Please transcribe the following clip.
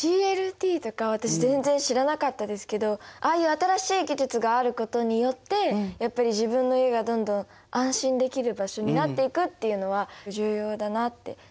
ＣＬＴとか私全然知らなかったですけどああいう新しい技術があることによってやっぱり自分の家がどんどん安心できる場所になっていくっていうのは重要だなって。